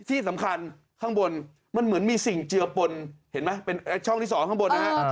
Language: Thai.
ที่สำคัญข้างบนมันเหมือนมีสิ่งเจือปนเห็นไหมเป็นช่องที่๒ข้างบนนะฮะ